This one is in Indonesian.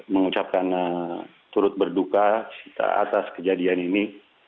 mengucapkan turut berduka atas kejadian ini